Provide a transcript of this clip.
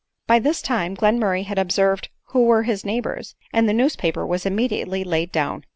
By this . time Glenmurray had observed who were his neighbors, and the newspaper was immediately laid down.